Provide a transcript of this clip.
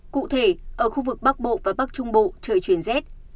cụ thể ở khu vực bắc bộ và bắc trung bộ trời chuyển rét